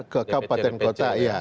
ke kabupaten kota